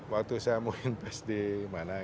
waktu saya mau investasi di mana